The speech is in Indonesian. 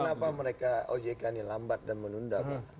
kenapa mereka ojk ini lambat dan menunda